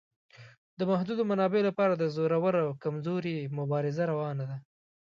د محدودو منابعو لپاره د زورور او کمزوري مبارزه روانه ده.